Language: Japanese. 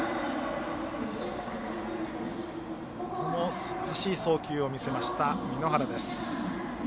すばらしい送球を見せました簑原です。